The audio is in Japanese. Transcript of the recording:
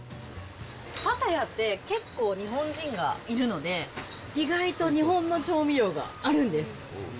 パタヤって結構、日本人がいるので、意外と日本の調味料があるんです。